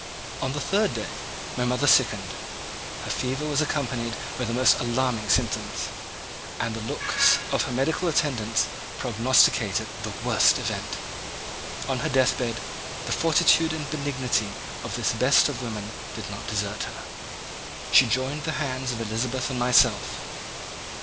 On the third day my mother sickened; her fever was accompanied by the most alarming symptoms, and the looks of her medical attendants prognosticated the worst event. On her deathbed the fortitude and benignity of this best of women did not desert her. She joined the hands of Elizabeth and myself.